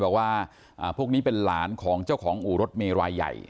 บอกว่าพวกนี้เป็นหลานของเจ้าของอู่รถเมย์รายใหญ่